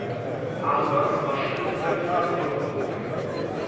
Albers war Schriftsetzer von Beruf.